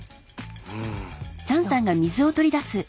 うん。